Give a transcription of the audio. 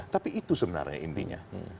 tapi itu sebenarnya intinya